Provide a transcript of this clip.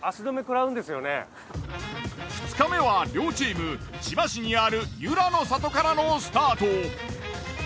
２日目は両チーム千葉市にある湯楽の里からのスタート。